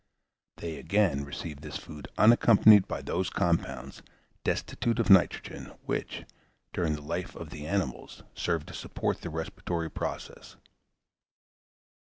They, again, receive this food unaccompanied by those compounds, destitute of nitrogen, which, during the life of the animals, served to support the respiratory process.